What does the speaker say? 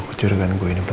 si maleka kecil